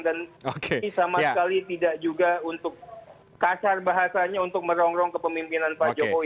dan ini sama sekali tidak juga untuk kasar bahasanya untuk merongrong kepemimpinan pak jokowi